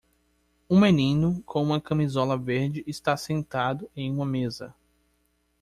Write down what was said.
Um menino com uma camisola verde está sentado em uma mesa.